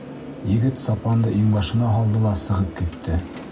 Егет сапанды иңбашына һалды ла сығып китте.